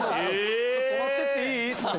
泊まってっていい？って。